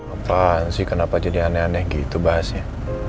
apa sih kenapa jadi aneh aneh gitu bahasnya